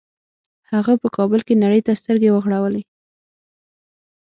هغه په کابل کې نړۍ ته سترګې وغړولې